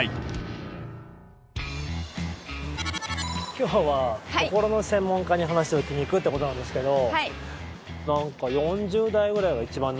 今日は心の専門家に話を聞きに行くってことなんですけど。